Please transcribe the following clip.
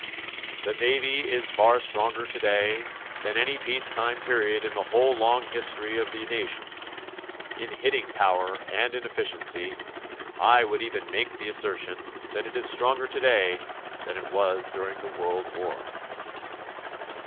The Navy Is far stronger today than at any peace time period in the whole long history of the nation. In hitting power and in efficiency, I would even make the assertion that it is stronger today than it was during the World War.